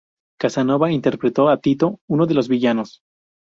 Casanova interpretó a Tito, uno de los villanos.